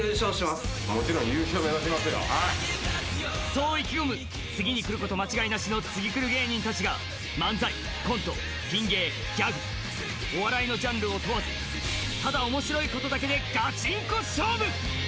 そう意気込む次に来ること間違いなしのツギクル芸人グランプリ漫才、コント、ピン芸、ギャグお笑いのジャンルを問わずただ面白いことだけでガチンコ勝負。